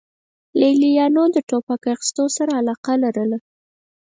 لې لیانو د ټوپک اخیستو سره علاقه لرله